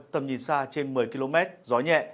tầm nhìn xa trên một mươi km gió nhẹ